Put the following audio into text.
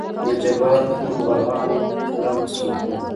دجبار خون بها مې پوره نه شوى کړى.